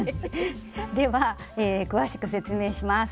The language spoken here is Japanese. では詳しく説明します。